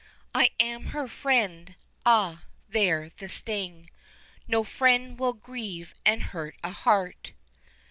I am her friend ah, there the sting, No friend will grieve and hurt a heart!